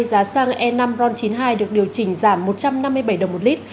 giá xăng e năm ron chín mươi hai được điều chỉnh giảm một trăm năm mươi bảy đồng một lít